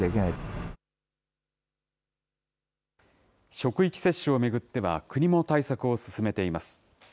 職域接種を巡っては、国も対策を進めています。